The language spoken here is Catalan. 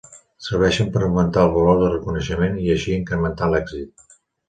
Serveixen per augmentar el valor de reconeixement, i així incrementar l'èxit.